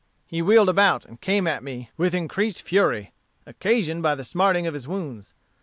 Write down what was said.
"He wheeled about and came at me with increased fury, occasioned by the smarting of his wounds.